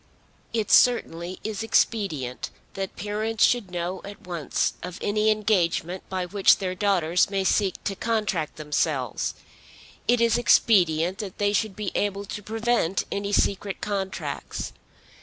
It certainly is expedient that parents should know at once of any engagement by which their daughters may seek to contract themselves. It is expedient that they should be able to prevent any secret contracts.